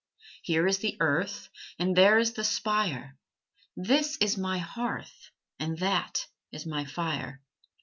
Here is the earth, And there is the spire; This is my hearth, And that is my fire.